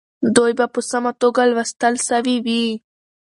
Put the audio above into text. دوی به په سمه توګه لوستل سوي وي.